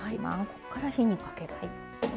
ここから火にかける。